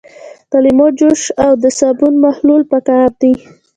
د لیمو جوس او د صابون محلول پکار دي.